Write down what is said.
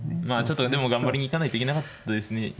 まあちょっとでも頑張りに行かないといけなかったですね。